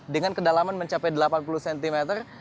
dengan kedalaman mencapai delapan puluh cm